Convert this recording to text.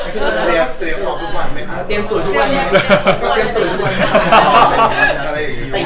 เตรียมศูนย์ทุกวัน